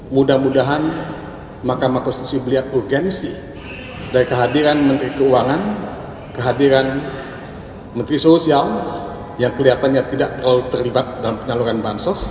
mudah mudahan mahkamah konstitusi melihat urgensi dari kehadiran menteri keuangan kehadiran menteri sosial yang kelihatannya tidak terlalu terlibat dalam penyaluran bansos